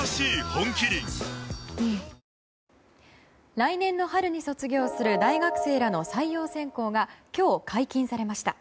来年の春に卒業する大学生らの採用選考が今日、解禁されました。